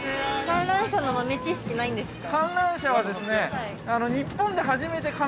観覧車の豆知識ないんですか。